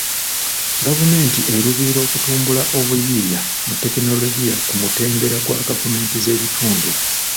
Gavumenti eruubirira okutumbula obuyiiya mu tekinologiya ku mutendera gwa gavumenti z'ebitundu.